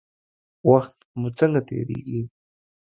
وخت مو څنګه تیریږي؟